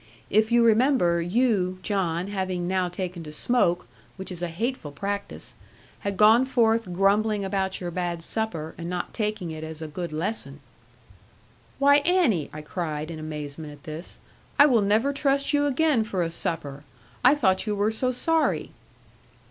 If you remember you, John, having now taken to smoke (which is a hateful practice), had gone forth grumbling about your bad supper and not taking it as a good lesson.' 'Why, Annie,' I cried, in amazement at this, 'I will never trust you again for a supper. I thought you were so sorry.'